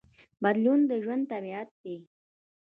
بدلون د ژوند طبیعت دی.